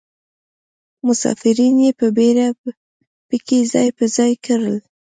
مسافرین یې په بیړه په کې ځای پر ځای کړل.